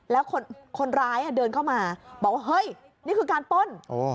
แล้วคนร้ายเดินเข้ามาบอกว่าเฮ้ยนี่คือการป้น